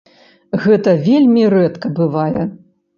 Гэта вельмі рэдка бывае.